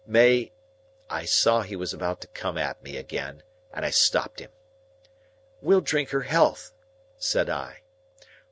May—" I saw he was about to come at me again, and I stopped him. "We'll drink her health," said I.